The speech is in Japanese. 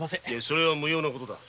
それは無用なことだ。